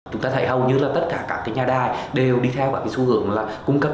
chúng ta thấy hầu như là tất cả các cái nhà đài đều đi theo các cái xu hướng là cung cấp